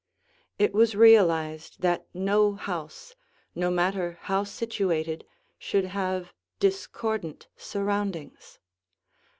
It was realized that no house, no matter how situated, should have discordant surroundings.